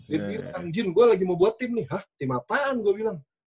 dia bilang jin gue lagi mau buat tim nih hah tim apaan gue bilang